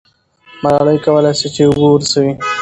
ملالۍ کولای سي چې اوبه ورسوي.